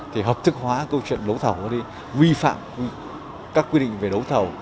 thì hợp thức hóa câu chuyện đấu thầu vi phạm các quy định về đấu thầu